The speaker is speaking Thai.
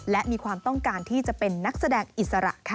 และมีความต้องการที่จะเป็นนักแสดงอิสระค่ะ